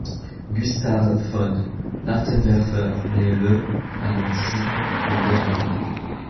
Gustav von Bartenwerffer naît le à Nancy, en Lorraine.